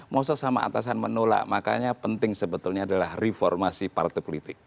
mau sesama atasan menolak makanya penting sebetulnya adalah reformasi partai politik